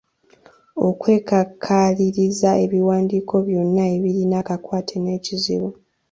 Okwekakaliriza ebiwandiiko byonna ebirina akakwate n’ekizibu